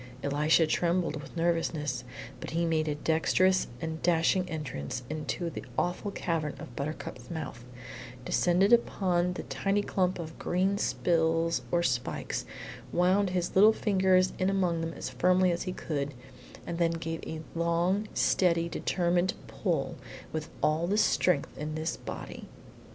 Elisha trembled with nervousness, but he made a dexterous and dashing entrance into the awful cavern of Buttercup's mouth; descended upon the tiny clump of green spills or spikes, wound his little fingers in among them as firmly as he could, and then gave a long, steady, determined pull with all the strength in this body.